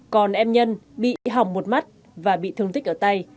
còn em nhân bị hỏng một mắt và bị thương tích ở tay